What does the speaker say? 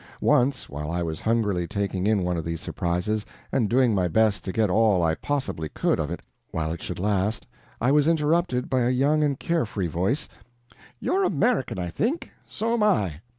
Once, while I was hungrily taking in one of these surprises, and doing my best to get all I possibly could of it while it should last, I was interrupted by a young and care free voice: "You're an American, I think so'm I."